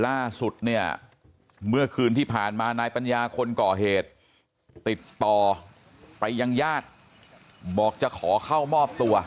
ล่าสุดเนี่ยเมื่อคืนที่ผ่านมานายปัญญาคนก่อเหตุติดต่อไปยังญาติบอกจะขอเข้ามอบตัว